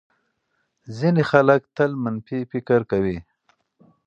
ځینې خلک تل منفي فکر کوي.